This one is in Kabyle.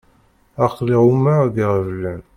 Aql-i εummeɣ deg iɣeblan.